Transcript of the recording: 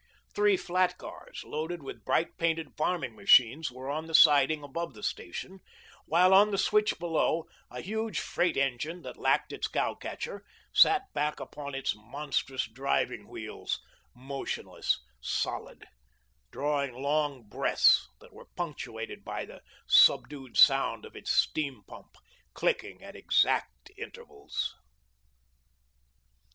Three flat cars, loaded with bright painted farming machines, were on the siding above the station, while, on the switch below, a huge freight engine that lacked its cow catcher sat back upon its monstrous driving wheels, motionless, solid, drawing long breaths that were punctuated by the subdued sound of its steam pump clicking at exact intervals.